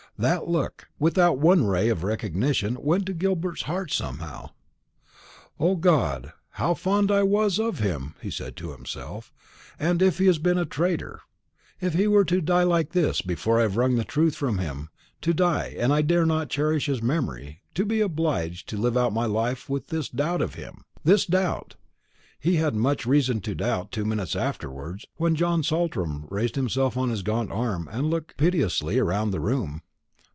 That look, without one ray of recognition, went to Gilbert's heart somehow. "O God, how fond I was of him!" he said to himself. "And if he has been a traitor! If he were to die like this, before I have wrung the truth from him to die, and I not dare to cherish his memory to be obliged to live out my life with this doubt of him!" This doubt! Had he much reason to doubt two minutes afterwards, when John Saltram raised himself on his gaunt arm, and looked piteously round the room?